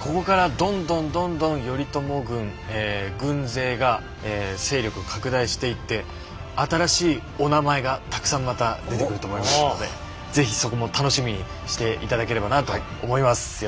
ここからどんどんどんどん頼朝軍え軍勢が勢力を拡大していって新しいおなまえがたくさんまた出てくると思いますので是非そこも楽しみにしていただければなと思います。